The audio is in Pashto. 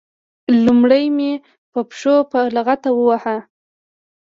لومړی مې په پښو په لغته وواهه.